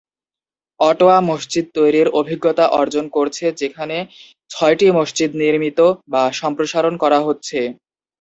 Ottawa মসজিদ তৈরির অভিজ্ঞতা অর্জন করছে যেখানে ছয়টি মসজিদ নির্মিত বা সম্প্রসারণ করা হচ্ছে।